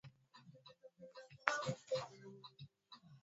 kuhakikisha kuwa ukosefu wa haki unamalizwa wakati wakiendeleza maendeleo ya nchi